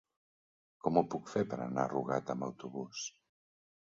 Com ho puc fer per anar a Rugat amb autobús?